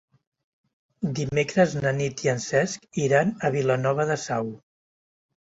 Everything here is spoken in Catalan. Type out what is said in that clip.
Dimecres na Nit i en Cesc iran a Vilanova de Sau.